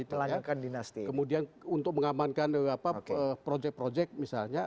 ya karena hibah bansos dari situ kan kemudian untuk mengamankan projek projek misalnya